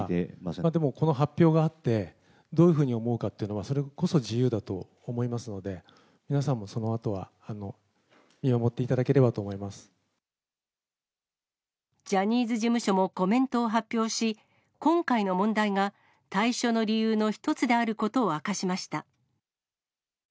でも、この発表があって、どういうふうに思うかっていうのは、それこそ自由だと思いますので、皆さんもそのあとは、ジャニーズ事務所もコメントを発表し、今回の問題が、退所の理由の一つであることを明かしました。